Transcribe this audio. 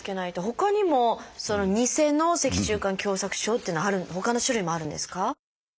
ほかにも「ニセの脊柱管狭窄症」っていうのはほかの種類もあるんですか？